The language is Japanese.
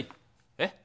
えっ？